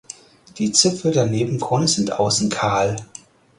Die Zipfel der Nebenkrone sind außen kahl.